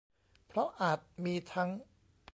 เพราะอาจมีทั้ง